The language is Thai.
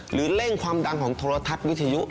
เร่งความดังของโทรทัศน์วิทยุ